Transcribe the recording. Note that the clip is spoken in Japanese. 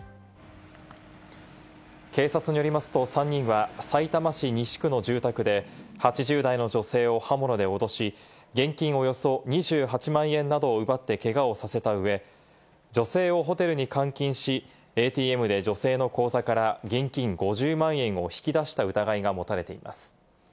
警察によりますと３人はさいたま市西区の住宅で８０代の女性を刃物で脅し、現金およそ２８万円などを奪ってけがをさせたうえ、女性をホテルに監禁し、ＡＴＭで女性の口座から現金５０万円を引き出した疑いが持たれています。